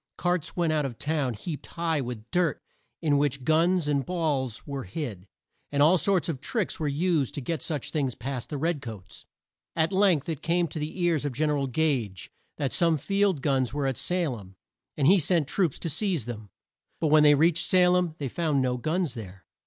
Carts went out of town heaped high with dirt in which guns and balls were hid; and all sorts of tricks were used to get such things past the red coats. At length it came to the ears of Gen er al Gage, that some field guns were at Sa lem, and he sent troops there to seize them. But when they reached Sa lem they found no guns there.